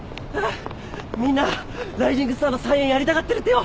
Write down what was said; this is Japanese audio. みんなライジングスターの再演やりたがってるってよ！